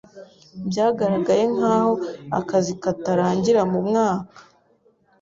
Byagaragaye nkaho akazi katarangira mumwaka.